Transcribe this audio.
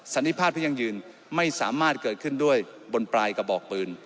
สันนิภาพที่ยั่งยืนไม่สามารถเกิดขึ้นด้วยบนปลายกระบอกปืน